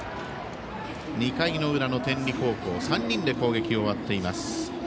２回の裏の天理高校３人で攻撃を終わっています。